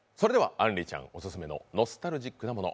あんりちゃんオススメのノスタルジックなもの